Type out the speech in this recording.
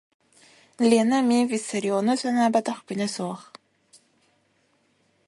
Лена эмиэ Виссариону санаабатах күнэ суох